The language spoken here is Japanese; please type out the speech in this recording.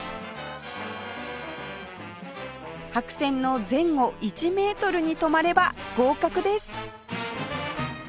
白線の前後１メートルに止まれば合格です